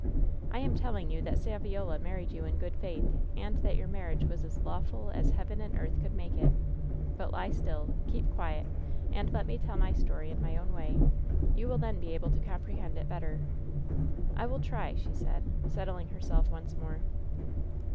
"I am telling you that Saviola married you in good faith, and that your marriage was as lawful as heaven and earth could make it ! But lie still, keep quiet, and 262 WHEN SHADOWS DIE let me tell my story in my own way. You will then be able to comprehend it better." "I will try," she said, settling herself once more.